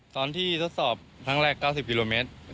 ตอนที่ทดสอบครั้งแรก๙๐ปีโลเมตร